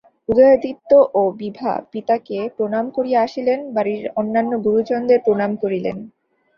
উদয়াদিত্য ও বিভা পিতাকে প্রণাম করিয়া আসিলেন, বাড়ির অন্যান্য গুরুজনদের প্রণাম করিলেন।